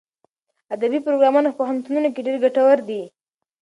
ادبي پروګرامونه په پوهنتونونو کې ډېر ګټور دي.